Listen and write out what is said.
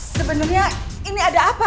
sebenernya ini ada apa